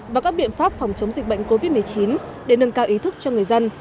và các biện pháp phòng chống dịch bệnh covid một mươi chín để nâng cao ý thức cho người dân